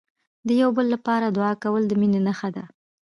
د یو بل لپاره دعا کول، د مینې نښه ده.